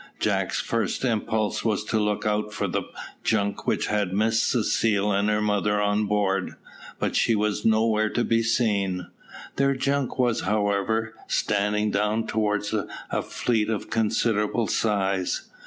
Jack's first impulse was to look out for the junk which had Miss Cecile and her mother on board, but she was nowhere to be seen. Their junk was, however, standing down towards a fleet of considerable size.